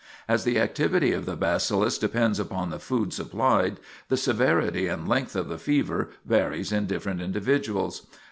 As the activity of the bacillus depends upon the food supplied, the severity and length of the fever varies in different individuals.